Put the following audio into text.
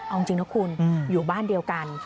เอาจริงนะคุณอยู่บ้านเดียวกัน